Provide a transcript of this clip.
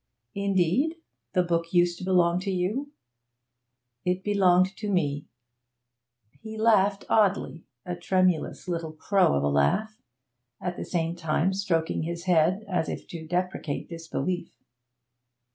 'Indeed? The book used to belong to you?' 'It belonged to me.' He laughed oddly, a tremulous little crow of a laugh, at the same time stroking his head, as if to deprecate disbelief.